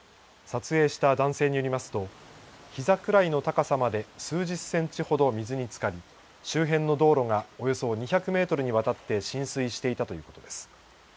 撮影した男性によりますと、膝くらいの高さまで数十センチほど水につかり、周辺の道路がおよそ２００メートルにわたって浸水していたということです。